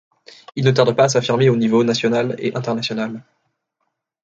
Il ne tarde pas à s'affirmer au niveau national et international.